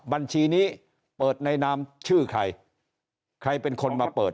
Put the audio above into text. บัญชีนี้เปิดในนามชื่อใครใครเป็นคนมาเปิด